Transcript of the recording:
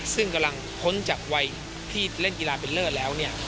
ซึ่งกำลังพ้นจากวัยที่เล่นกีฬาเป็นเลอร์แล้วเนี่ย